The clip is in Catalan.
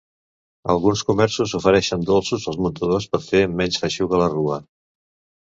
Alguns comerços ofereixen dolços als muntadors per fer menys feixuga la rua.